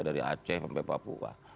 dari aceh sampai papua